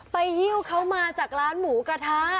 ไปฮิวข้าวมาจากร้านหมูกระทะ